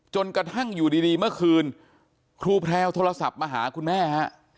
จนกระทั่งอยู่ดีเมื่อคืนครูแพรวโทรศัพท์มาหาคุณแม่ฮะ